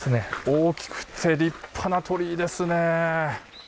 大きくて立派な鳥居ですね。